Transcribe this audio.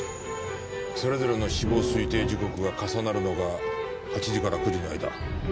それぞれの死亡推定時刻が重なるのが８時から９時の間。